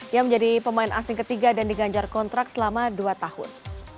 ia menjadi pemain asing ketiga dan diganjar kontrak selama dua tahun